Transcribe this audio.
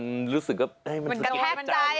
มันกระแทกใจ